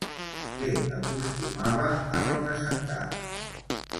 Què acostumava a representar?